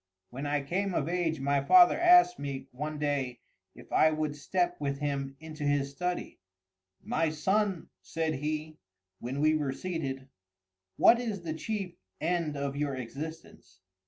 When I came of age my father asked me, one day, if I would step with him into his study. "My son," said he, when we were seated, "what is the chief end of your existence?"